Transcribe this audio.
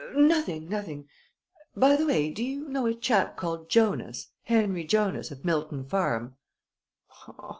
"Nothing! Nothing! By the by, do you know a chap called Jonas Henry Jonas, of Milton Farm?"